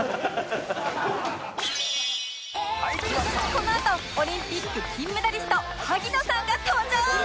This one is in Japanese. このあとオリンピック金メダリスト萩野さんが登場